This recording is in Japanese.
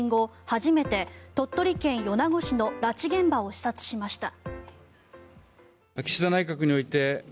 初めて鳥取県米子市の拉致現場を視察しました。